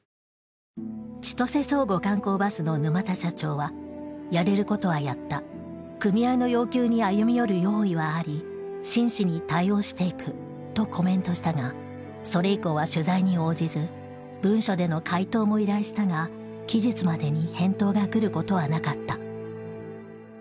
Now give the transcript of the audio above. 千歳相互観光バスの沼田社長は「やれることはやった」「組合の要求に歩み寄る用意はあり真摯に対応していく」とコメントしたがそれ以降は取材に応じず文書での回答も依頼したが期日までに返答が来ることはなかった。